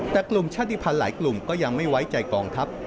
แต่กลุ่มชาติภัณฑ์หลายกลุ่มก็ยังไม่ไว้ใจกองทัพ